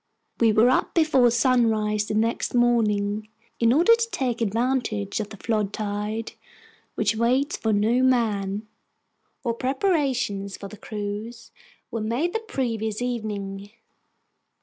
We were up before sunrise the next morning, in order to take advantage of the flood tide, which waits for no man. Our preparations for the cruise were made the previous evening.